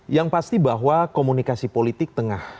yang pasti bahwa komunikasi politik tengah